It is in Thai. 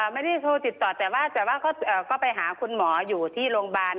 ไม่ได้โทรติดต่อแต่ว่าก็ไปหาคุณหมออยู่ที่โรงพยาบาล